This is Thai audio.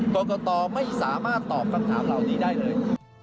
กรกตไม่สามารถตอบคำถามเหล่านี้ได้เลย